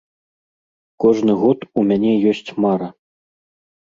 Кожны год у мяне ёсць мара.